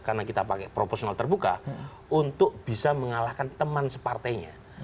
karena kita pakai proporsional terbuka untuk bisa mengalahkan teman separtainya